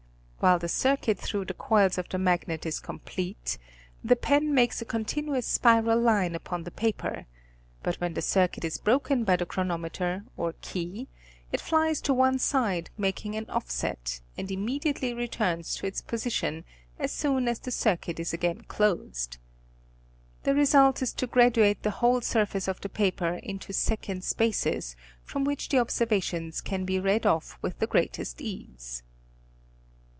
While the circuit through the coils of the magnet is complete, the pen makes a continuous spival line upon the paper, but when the circuit is broken by the chronometer, or key, it flies to one side making an offset, and immediately returns to its position, as soon as the circuit is again closed. The result is to graduate the whole surface of the paper into second spaces, from which the observations can be read off with the greatest ease.